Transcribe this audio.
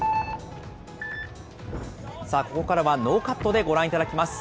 ここからはノーカットでご覧いただきます。